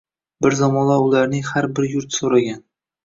Bir zamonlar ularning har biri yurt so‘ragan.